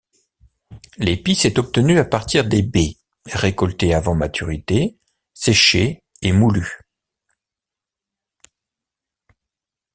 L'épice est obtenue à partir des baies, récoltées avant maturité, séchées et moulues.